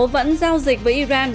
vẫn giao dịch với iran